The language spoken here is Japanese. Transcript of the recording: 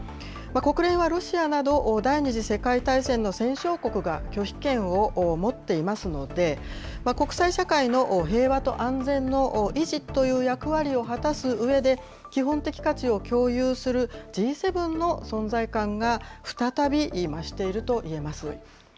国連はロシアなど、第２次世界大戦の戦勝国が拒否権を持っていますので、国際社会の平和と安全の維持という役割を果たすうえで、基本的価値を共有するＧ７の存在感が再び増しているといえます。